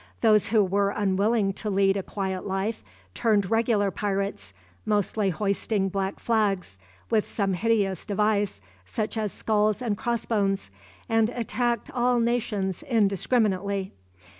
Those who were unwilling to lead a quiet life turned regular pirates, mostly hoisting black flags, with some hideous device, such as skulls and crossbones, and attacked all nations indiscriminately.